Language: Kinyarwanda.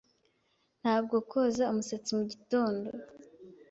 Ntabwo koza umusatsi mugitondo.